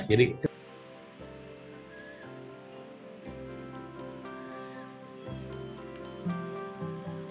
jadi mungkin itu juga bisa jadi masalah kesehatan